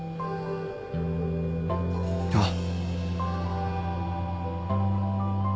ああ。